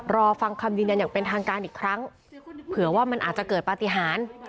รอฟังคำยืนยันอย่างเป็นทางการอีกครั้งเผื่อว่ามันอาจจะเกิดปฏิหาร